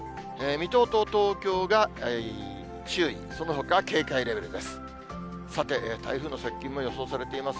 水戸と東京が注意、そのほかは警戒レベルです。